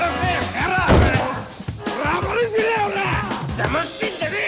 邪魔してんじゃねえよ！